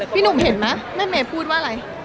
พี่หนุ่มเห็นไหมแม่เมย์พูดว่าอะไร